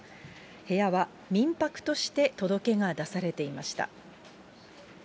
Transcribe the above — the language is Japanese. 部屋は民泊として届けが出されていました。